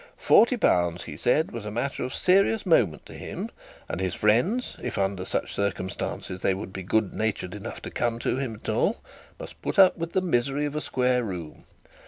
Forty pounds, he said, was a matter of serious moment to him, and his friends, if under such circumstances they would be good natured enough to come to him at all, must put up with the misery of a square room.